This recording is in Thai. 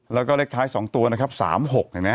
แล้วก็เลขท้าย๒ตัวนะครับ๓๖อย่างนี้